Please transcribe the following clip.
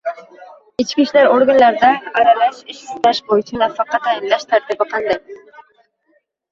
Ichki ishlar organlarida aralash ish staj bo‘yicha nafaqa tayinlash tartibi qanday?